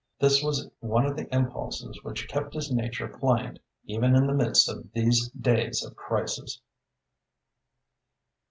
This was one of the impulses which kept his nature pliant even in the midst of these days of crisis.